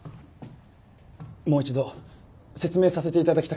もう一度説明させていただきたくて。